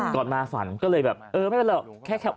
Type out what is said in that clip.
ก่อนมาฝันก็เลยแบบเออไม่เป็นไรหรอก